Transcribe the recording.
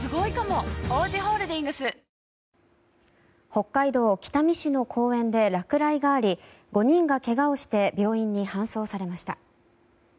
北海道北見市の公園で落雷があり５人が怪我をして病院に搬送されました。